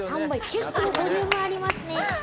結構ボリュームありますね。